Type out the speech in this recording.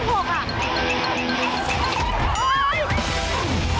ล่วงอันนี้เอาใหม่